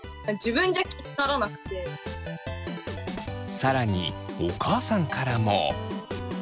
更にお母さんからも。